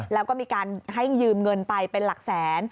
แล้วก็มีการให้ยืมเงินไปเป็นหลักแสน